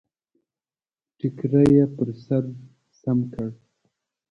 ټکری يې پر سر سم کړ.